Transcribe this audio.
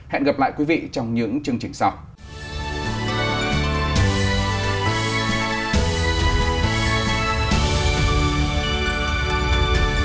hẹn gặp lại quý vị trong những chương trình sau